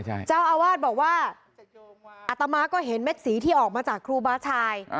เจ้าอาวาสบอกว่าอัตมาก็เห็นเม็ดสีที่ออกมาจากครูบาชาย